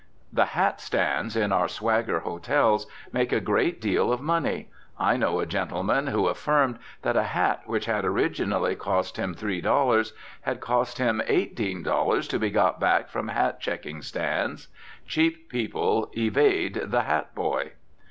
The hat stands in our swagger hotels make a great deal of money; I know a gentleman who affirmed that a hat which had originally cost him three dollars had cost him eighteen dollars to be got back from hat checking stands. Cheap people evade the hat boy.